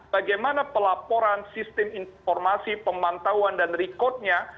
bagaimana pelaporan sistem informasi pemantauan dan record nya